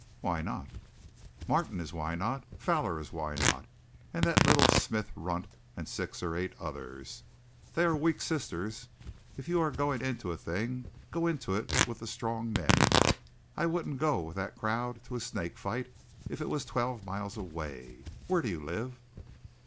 "Why not?" "Martin is why not; and Fowler is why not; and that little Smith runt, and six or eight others. They are weak sisters. If you are going into a thing, go into it with the strong men. I wouldn't go with that crowd to a snake fight if it was twelve miles away. Where do you live?"